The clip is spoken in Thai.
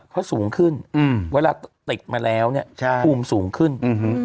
เขาสูงขึ้นอืมเวลาติดมาแล้วเนี้ยใช่ภูมิสูงขึ้นอืม